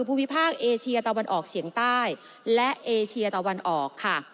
ภูมิภาคเอเชียตะวันออกเฉียงใต้และเอเชียตะวันออกค่ะ